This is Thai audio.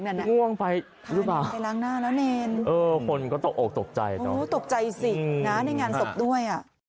มันม่วงไปหรือเปล่าโอ้โฮตกใจสินะในงานศพด้วย